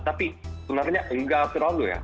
tapi sebenarnya enggak terlalu ya